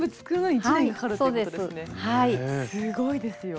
すごいですよ。